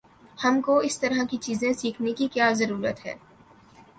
ہم کو اس طرح کی چیزیں سیکھنے کی کیا ضرورت ہے؟